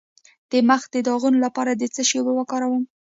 د مخ د داغونو لپاره د څه شي اوبه وکاروم؟